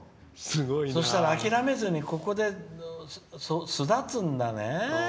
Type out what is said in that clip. そしたら諦めずにここで巣立つんだね。